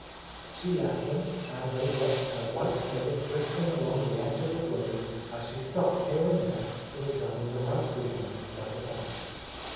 She left them, and they watched her white figure drifting along the edge of the grove as she stopped here and there to examine the raspberry vines by the fence.